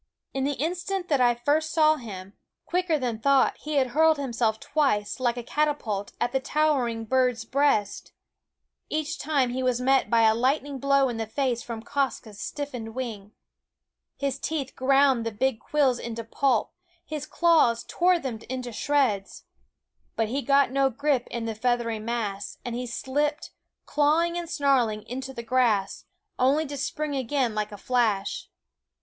In the instant that I first saw him, quicker than thought SCHOOL OF 202 Quoskh Keen Eyed he had hurled himself twice, like a catapult, at the towering bird's breast. Each time he was met by a lightning blow in the face from Quoskh's stiffened wing. His teeth ground the big quills into pulp ; his claws tore them into shreds; but he got no grip in the feathery mass, and he slipped, clawing and snarling, into the grass, only to spring again like a flash.